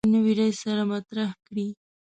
له نوي رئیس سره مطرح کړي.